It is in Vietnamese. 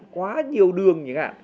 quá nhiều đường